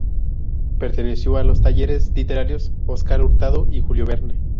Perteneció a los talleres literarios Oscar Hurtado y Julio Verne.